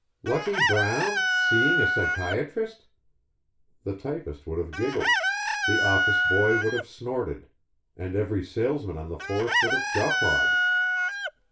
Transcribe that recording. "Lucky Brown? seeing a psychiatrist?" The typist would have giggled, the office boy would have snorted, and every salesman on the force would have guffawed.